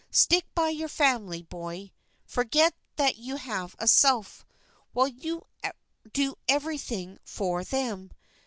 Stick by your family, boy; forget you have a self, while you do everything for them.